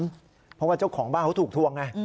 เพราะว่าเจ้าของบ้านเขาถูกทวงไง